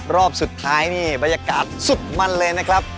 รอบสุดท้ายนี่บรรยากาศสุดมันเลยนะครับ